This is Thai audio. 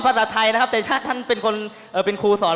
เขามาสอนภาษาไทยนะครับ